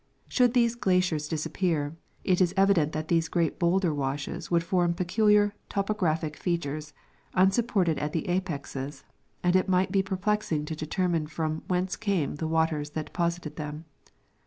Should these glaciers disappear, it is evident that these great bowlder washes would' form peculiar topographic features, unsupported at the apexes, and it might be perplexing to determine from whence came the waters that deposited them.